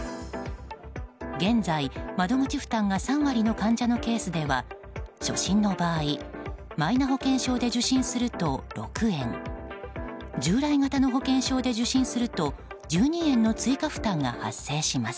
現在、窓口負担が３割の患者のケースでは初診の場合マイナ保険証で受診すると６円従来型の保険証で受診すると１２円の追加負担が発生します。